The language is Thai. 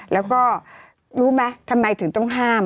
แล้วก็รู้ไหมทำไมถึงต้องห้าม